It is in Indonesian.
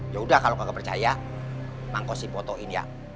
yaudah kalau gak percaya mang kosim fotoin ya